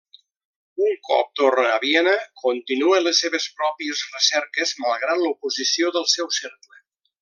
Un cop torna a Viena, continua les seves pròpies recerques, malgrat l'oposició del seu cercle.